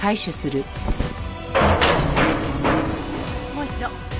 もう一度。